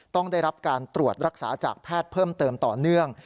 ต้องได้รับการตรวจรักษาจากแพทย์เพิ่มเติมต่อเนื่อง